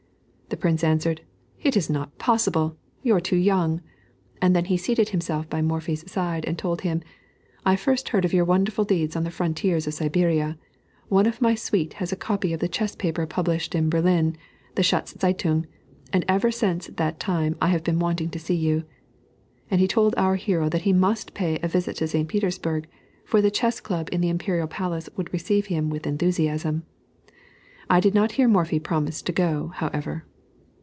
The Prince answered, "It is not possible! you're too young;" and then he seated himself by Morphy's side and told him, "I first heard of your wonderful deeds on the frontiers of Siberia. One of my suite had a copy of the chess paper published in Berlin, the Schachzeitung, and ever since that time I have been wanting to see you." And he told our hero that he must pay a visit to St. Petersburg; for the chess club in the Imperial Palace would receive him with enthusiasm. I did not hear Morphy promise to go, however.